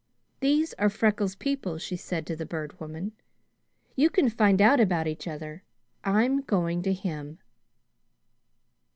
"These are Freckles' people," she said to the Bird Woman. "You can find out about each other; I'm going to him."